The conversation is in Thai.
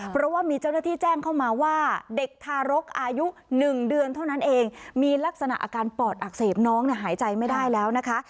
เพราะว่ามีเจ้าหน้าที่แจ้งเข้ามาว่าเด็กทารกอายุ๑เดือนเท่านั้นเองมีลักษณะอาการปอดอักเสบน้องหายใจไม่ได้แล้วนะคะ